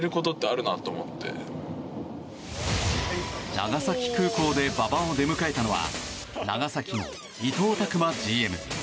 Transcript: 長崎空港で馬場を出迎えたのは長崎の伊藤拓摩ＧＭ。